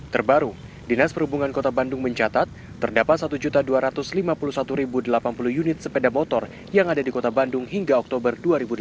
terbaru dinas perhubungan kota bandung mencatat terdapat satu dua ratus lima puluh satu delapan puluh unit sepeda motor yang ada di kota bandung hingga oktober dua ribu delapan belas